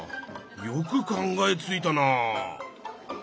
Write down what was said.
よく考えついたなあ。